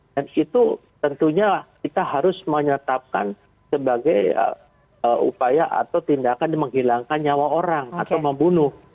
dan itu tentunya kita harus menyetapkan sebagai upaya atau tindakan menghilangkan nyawa orang atau membunuh